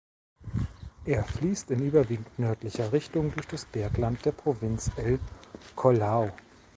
Er fließt in überwiegend nördlicher Richtung durch das Bergland der Provinz El Collao.